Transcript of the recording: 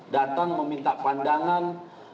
datang meminta pandangan